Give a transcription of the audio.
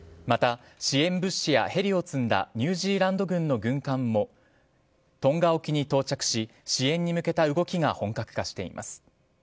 また、支援物資やヘリを積んだニュージーランド軍の軍艦もトンガ沖に到着し支援に向けた動きが本格化しています。